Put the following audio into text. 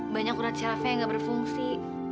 banyak kurat syarafe yang nggak berfungsi